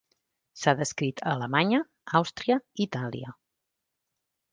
S’ha descrit a Alemanya, Àustria i Itàlia.